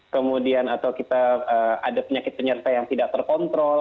kemudian atau kita ada penyakit penyerta yang tidak terkontrol